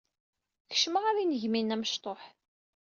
Kecmeɣ ɣer yinegmi-nni amecṭuḥ.